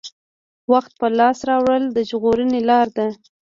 وخت په لاس راوړل د ژغورنې لاره ده.